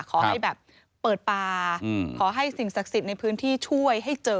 ขอให้แบบเปิดป่าขอให้สิ่งศักดิ์สิทธิ์ในพื้นที่ช่วยให้เจอ